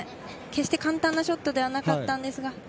決して簡単なショットではなかったのですが。